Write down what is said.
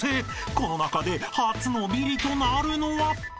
［この中で初のビリとなるのは！？］